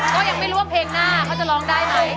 ก็ยังไม่รู้ว่าเพลงหน้าเขาจะร้องได้ไหม